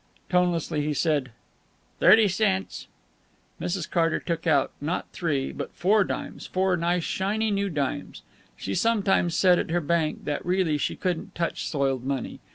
Tonelessly he said, "Thirty cents." Mrs. Carter took out, not three, but four dimes four nice, shiny, new dimes; she sometimes said at her bank that really she couldn't touch soiled money.